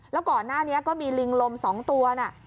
แล้วก่อนหน้านี้ก็มีลิงลม๒ตัวนะ